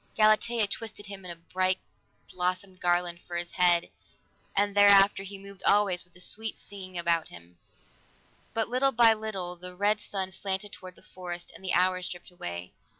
Galatea twisted him a bright blossomed garland for his head, and thereafter he moved always with a sweet singing about him. But little by little the red sun slanted toward the forest, and the hours dripped away.